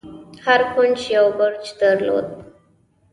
هر کونج يو برج درلود.